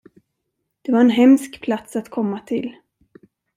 Det var en hemsk plats att komma till.